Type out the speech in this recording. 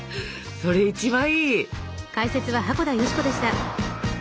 それ一番いい！